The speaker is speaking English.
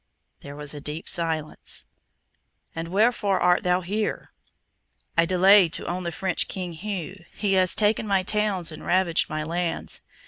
There was a deep silence. "And wherefore art thou here?" "I delayed to own the French King Hugh. He has taken my towns and ravaged my lands.